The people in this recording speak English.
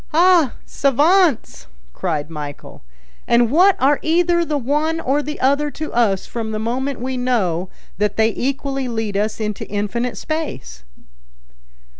"Ah, savants!" cried Michel; "and what are either the one or the other to us from the moment we know that they equally lead us into infinite space?"